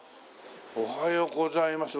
おはようございます。